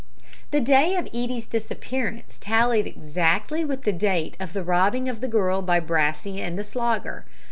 The day of Edie's disappearance tallied exactly with the date of the robbing of the girl by Brassey and the Slogger.